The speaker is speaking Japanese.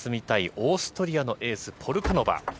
オーストリアのエースポルカノバ。